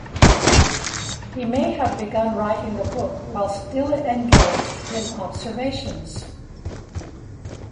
He may have begun writing the book while still engaged in observations.